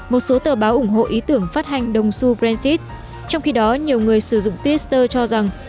một số tờ báo ủng hộ ý tưởng phát hành đồng su brexit trong khi đó nhiều người sử dụng twitter cho rằng